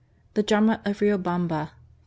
THE DRAMA OF RIOBAMBA. 1859.